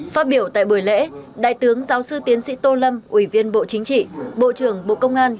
phát biểu tại buổi lễ đại tướng giáo sư tiến sĩ tô lâm ủy viên bộ chính trị bộ trưởng bộ công an